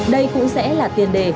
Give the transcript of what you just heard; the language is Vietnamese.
đây cũng sẽ là tiền đề